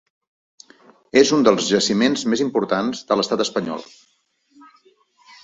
És un dels jaciments més importants de l'Estat espanyol.